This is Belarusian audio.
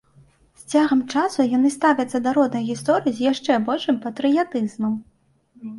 З цягам часу яны ставяцца да роднай гісторыі з яшчэ большым патрыятызмам.